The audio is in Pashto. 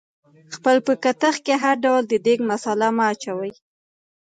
خپل په کتغ کې هر ډول د دیګ مثاله مه اچوئ